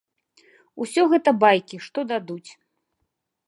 Усё гэта байкі, што дадуць.